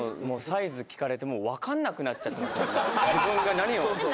何か自分が何を。